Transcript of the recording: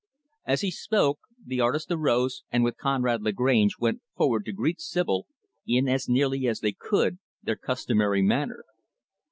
As he spoke, the artist arose and with Conrad Lagrange went forward to greet Sibyl in as nearly as they could their customary manner.